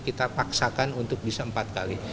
kita paksakan untuk bisa empat kali